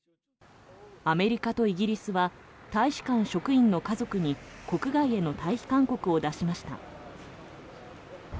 アメリカとイギリスは大使館職員の家族に国外への退避勧告を出しました。